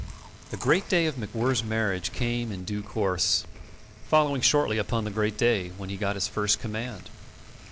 The great day of MacWhirr's marriage came in due course, following shortly upon the great day when he got his first command.